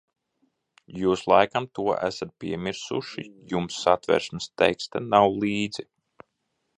Jūs laikam to esat piemirsuši, jums Satversmes teksta nav līdzi.